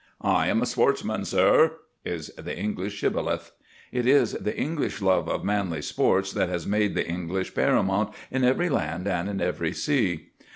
"I am a sportsman, sir," is the English shibboleth. "It is the English love of manly sports that has made the English paramount in every land and on every sea."